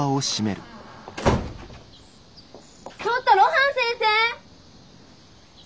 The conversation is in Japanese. ちょっと露伴先生！